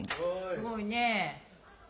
すごいね。